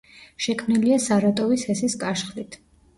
შექმნილია სარატოვის ჰესის კაშხლით.